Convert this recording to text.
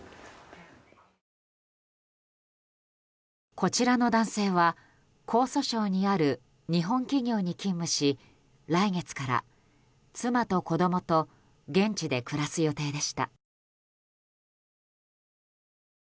こちらの男性は江蘇省にある日本企業に勤務し来月から妻と子供と現地で暮らす予定でした。